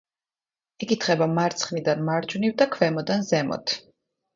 იკითხება მარცხნიდან მარჯვნივ და ქვემოდან ზემოთ.